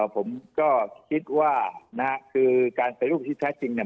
ผมก็คิดว่านะฮะคือการเป็นรูปที่แท้จริงเนี่ย